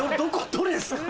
どれですか？